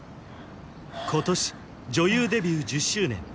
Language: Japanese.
今年女優デビュー１０周年